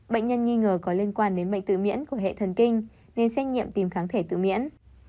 bệnh nhân nghi ngờ có liên quan đến bệnh tự miễn của hệ thần kinh nên xét nghiệm tìm kháng thể tự miễn